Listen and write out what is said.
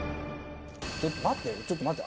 ちょっと待ってちょっと待って。